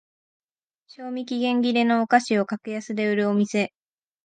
賞味期限切れのお菓子を格安で売るお店